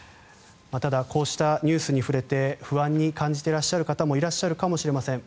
ただ、こうしたニュースに触れて不安に感じていらっしゃる方もいらっしゃるかもしれません。